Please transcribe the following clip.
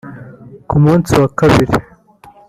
Ku munsi wa mbere